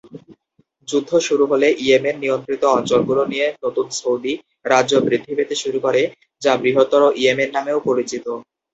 যুদ্ধ শুরু হলে ইয়েমেন নিয়ন্ত্রিত অঞ্চলগুলো নিয়ে নতুন সৌদি রাজ্য বৃদ্ধি পেতে শুরু করে, যা বৃহত্তর ইয়েমেন নামেও পরিচিত।